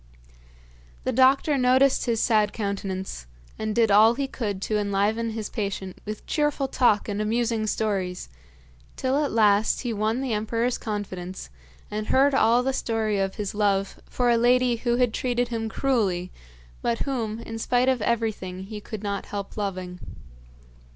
The doctor noticed his sad countenance and did all he could to enliven his patient with cheerful talk and amusing stories, till at last he won the emperor's confidence and heard all the story of his love for a lady who had treated him cruelly, but whom, in spite of everything, he could not help loving.